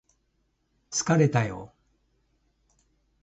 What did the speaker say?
疲れたよ